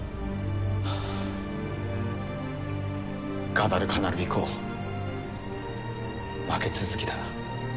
ガダルカナル以降負け続きだ。